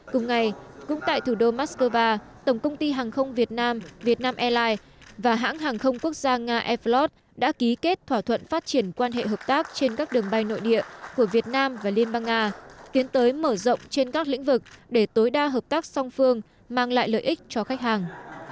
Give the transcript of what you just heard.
cùng ngày cũng tại thủ đô moscow tổng công ty hàng không việt nam vietnam airlines và hãng hàng không quốc gia nga air floort đã ký kết thỏa thuận phát triển quan hệ hợp tác trên các đường bay nội địa của việt nam và liên bang nga tiến tới mở rộng trên các lĩnh vực để tối đa hợp tác song phương mang lại lợi ích cho khách hàng